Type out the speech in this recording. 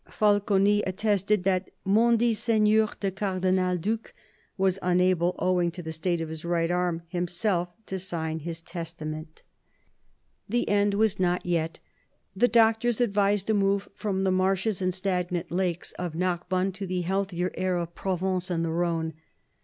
Falconis attested that " mondit seigneur le Cardinal Due" was unable, owing to the state of his right arm, himself to sign his testament. 286 CARDINAL DE RICHELIEU The end was not yet. The doctors advised a move from the marshes and stagnant lakes of Narbonne to the healthier air of Provence and the Rhone.